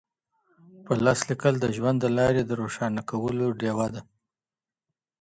په لاس لیکل د ژوند د لاري د روښانه کولو ډېوه ده.